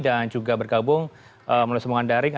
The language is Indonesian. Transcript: dan juga berkabung melalui sembungan daring